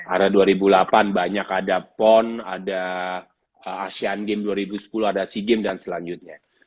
ada dua ribu delapan banyak ada pon ada asean games dua ribu sepuluh ada sea games dan selanjutnya